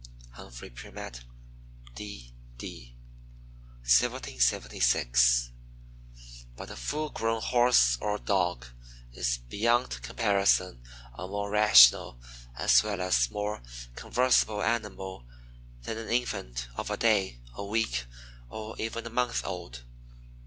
Humphry Primatt, D. D., 1776. But a full grown Horse or Dog is, beyond comparison, a more rational, as well as more conversable animal than an infant of a day, a week, or even a month old.